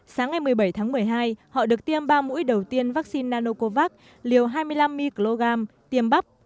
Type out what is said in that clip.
sáng ngày một mươi bảy tháng một mươi hai họ được tiêm ba mũi đầu tiên vaccine nanocovax liều hai mươi năm microgram tiêm bắp